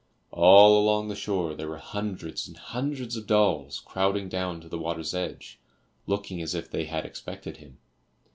All along the shore there were hundreds and hundreds of dolls crowding down to the water's edge, looking as if they had expected him.